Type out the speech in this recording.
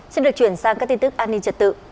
xin được chuyển sang các tin tức an ninh trật tự